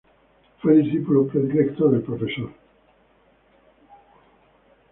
Fue discípulo predilecto del Prof.